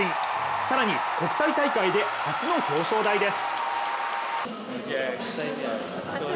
更に、国際大会で初の表彰台です。